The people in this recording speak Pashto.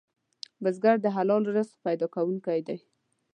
بزګر د حلال رزق پیدا کوونکی دی